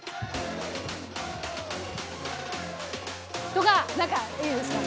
とか何かいいですか。